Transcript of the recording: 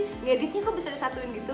ngeditnya kok bisa disatuin gitu